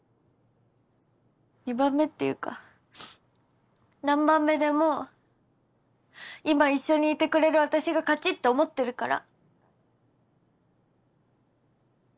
２番目っていうか何番目でも今一緒にいてくれる私が勝ちって思ってるから。